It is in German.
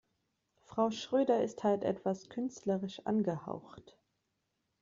Frau Schröder ist halt etwas künstlerisch angehaucht.